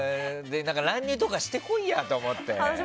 乱入とかしてこいやと思って。